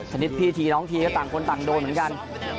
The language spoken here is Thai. ชนิดพี่ทีน้องทีก็ต่างคนต่างโดนเหมือนกัน